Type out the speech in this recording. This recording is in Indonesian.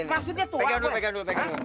pegang dulu pegang dulu